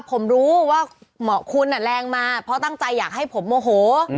ผมรู้ว่าเหมาะคุณแรงมาเพราะตั้งใจอยากให้ผมโมโห